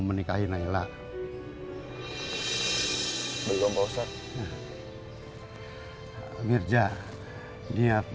walau hilang percayaku